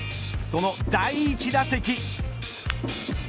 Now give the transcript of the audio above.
その第１打席。